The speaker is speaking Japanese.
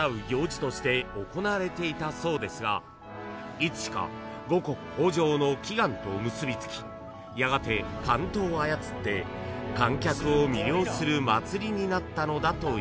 ［いつしか五穀豊穣の祈願と結び付きやがて竿燈を操って観客を魅了する祭りになったのだといいます］